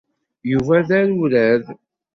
Yuba d arurad.